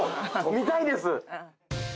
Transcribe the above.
見たいです！